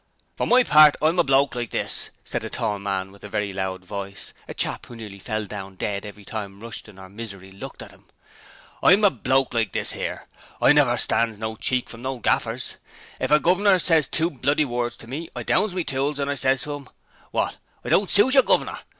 'For my part, I'm a bloke like this,' said a tall man with a very loud voice a chap who nearly fell down dead every time Rushton or Misery looked at him. 'I'm a bloke like this 'ere: I never stands no cheek from no gaffers! If a guv'nor ses two bloody words to me, I downs me tools and I ses to 'im, "Wot! Don't I suit yer, guv'ner?